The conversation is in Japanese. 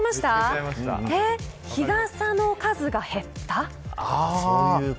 日傘の数が減った。